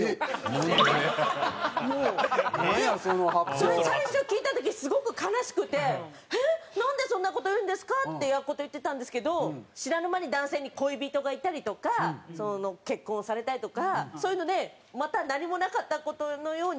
それ最初聞いた時すごく悲しくて「えっ？なんでそんな事言うんですか？」ってやっこと言ってたんですけど知らぬ間に男性に恋人がいたりとか結婚されたりとかそういうのでまた何もなかった事のように戻ってくるんですよ。